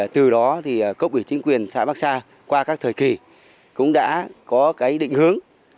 từ đó cốc ủy chính quyền xã bắc sa qua các thời kỳ cũng đã có định hướng